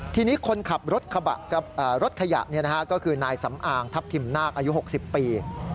ทีนี้คนขับรถขยะก็คือนายสำอางทัพทิมนาคอายุ๖๐ปี